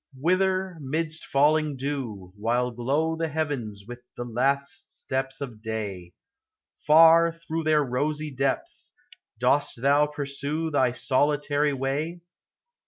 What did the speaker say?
Whither, midst falling dew, While glow the heavens with the last steps of day, Far, through their rosy depths, dost thou pursue Thy solitary way?